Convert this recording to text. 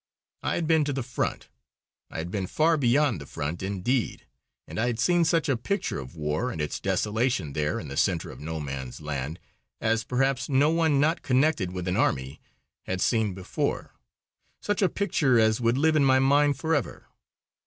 I had been to the front. I had been far beyond the front, indeed, and I had seen such a picture of war and its desolation there in the centre of No Man's Land as perhaps no one not connected with an army had seen before; such a picture as would live in my mind forever.